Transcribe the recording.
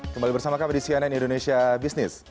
kembali bersama kami di cnn indonesia business